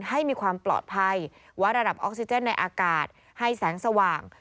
ให้มีความปลอดภัยวัดระดับออกซิเจนในอากาศให้แสงสว่าง